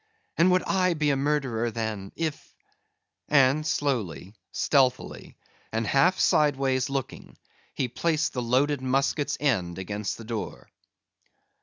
—And would I be a murderer, then, if"—and slowly, stealthily, and half sideways looking, he placed the loaded musket's end against the door.